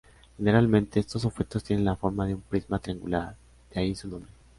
Generalmente, estos objetos tienen la forma de un prisma triangular, de ahí su nombre.